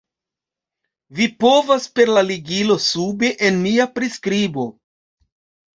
Vi povas per la ligilo sube en mia priskribo